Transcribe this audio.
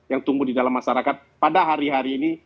yang tumbuh di dalam masyarakat pada hari hari ini